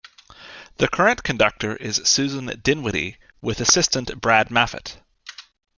The current conductor is Susan Dinwiddie, with assistant Brad Maffett.